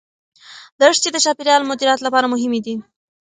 دښتې د چاپیریال مدیریت لپاره مهمې دي.